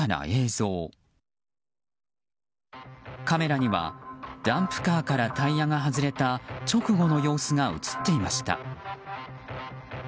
カメラにはダンプカーからタイヤが外れた直後の様子が映っていました。